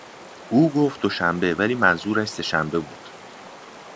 او گفت دوشنبه ولی منظورش سهشنبه بود.